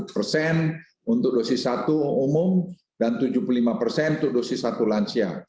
dua puluh persen untuk dosis satu umum dan tujuh puluh lima persen untuk dosis satu lansia